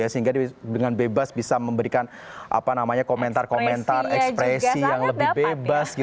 sehingga dengan bebas bisa memberikan komentar komentar ekspresi yang lebih bebas